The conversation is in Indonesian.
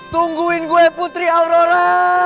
tungguin gue putri aurora